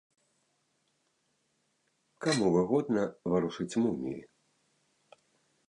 Каму выгодна варушыць муміі?